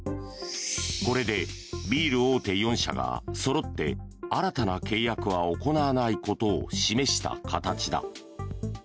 これでビール大手４社がそろって新たな契約は行わないことを示した形だ。